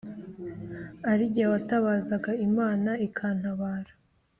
ari jye watabazaga imana ikantabara,